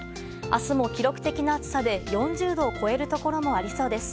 明日も記録的な暑さで４０度を超えるところがありそうです。